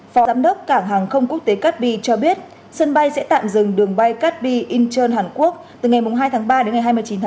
phó giám đốc cảng hàng không quốc tế cát bi cho biết sân bay sẽ tạm dừng đường bay cát bi incheon hàn quốc từ ngày hai tháng ba đến ngày hai mươi chín tháng bốn